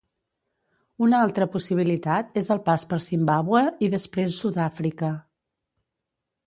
Una altra possibilitat és el pas per Zimbàbue i després Sud-àfrica.